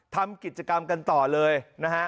ทำกิจกรรมกันต่อเลยนะฮะ